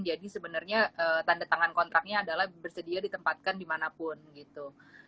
jadi sebenarnya tanda tangan kontraknya adalah bersedia ditempatkan dimanapun gitu